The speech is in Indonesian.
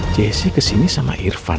jaycee kesini sama irfan